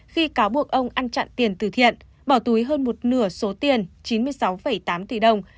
khi cáo buộc ông ăn chặn tiền từ thiện bỏ túi hơn một nửa số tiền chín mươi sáu tám tỷ đồng